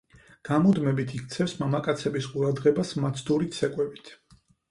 გამუდმებით იქცევს მამაკაცების ყურადღებას მაცდური ცეკვებით.